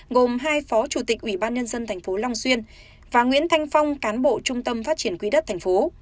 gồm hai phó chủ tịch ủy ban nhân dân tp long xuyên và nguyễn thanh phong cán bộ trung tâm phát triển quỹ đất tp